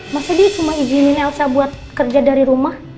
maksudnya dia cuma izinin elsa buat kerja dari rumah